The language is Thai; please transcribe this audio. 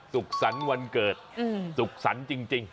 สุขสันด์วันเกิดสุขสันด์จริง